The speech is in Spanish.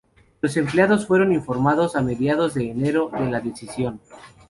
Los empleados fueron informados a mediados de enero de la decisión.